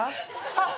あっ！